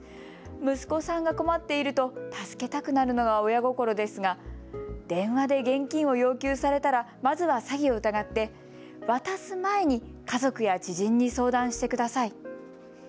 息子さんが困っていると助けたくなるのが親心ですが電話で現金を要求されたらまずは詐欺を疑って渡す前に家族や知人に相談してください。